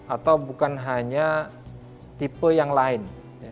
atau bukan hanya tipe yang lain